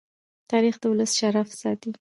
تاریخ د ولس شرف ساتي.